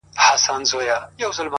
ځوان د سگريټو تسه کړې قطۍ وغورځول’